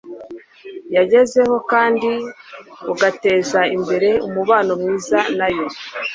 yagezeho kandi ugateza imbere umubano mwiza nayo